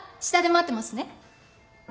下で待ってますね。